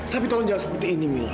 tapi tolong jangan seperti ini mila